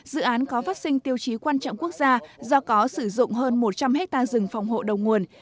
dự án có phát sinh tiêu chí quan trọng quốc gia do có sử dụng hơn một trăm linh hectare rừng phòng hộ đầu nguồn